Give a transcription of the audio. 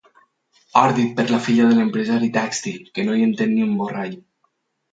Ordit per la filla de l'empresari tèxtil, que no hi entén ni un borrall.